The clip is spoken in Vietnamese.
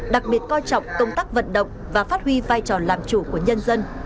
đặc biệt coi trọng công tác vận động và phát huy vai trò làm chủ của nhân dân